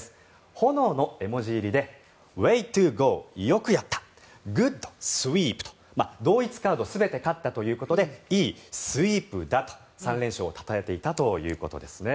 炎の絵文字入りでウェイ・トゥ・ゴーよくやったグッド・スイープと同一カード全て勝ったということでいいスイープだと３連勝をたたえていたということです。